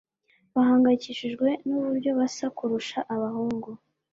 bahangayikishijwe nuburyo basa kurusha abahungu